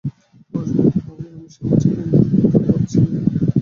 পরেশবাবু কহিলেন, আমি সামাজিক নিন্দার কথা ভাবছি নে।